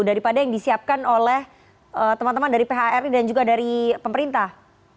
daripada yang disiapkan oleh teman teman dari phr dan juga dari pemerintah